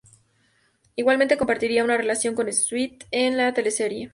Igualmente compartiría una relación con Swett en la teleserie.